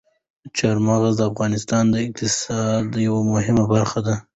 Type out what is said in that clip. چار مغز د افغانستان د اقتصاد یوه مهمه برخه ده.